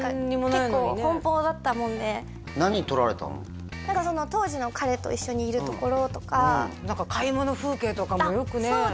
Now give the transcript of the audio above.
結構奔放だったもんで当時の彼と一緒にいるところとか何か買い物風景とかもよくねあっ